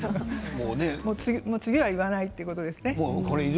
後には言わないということです。